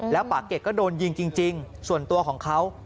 แล้วปากเกรดก็โดนยิงจริงส่วนตัวของเขา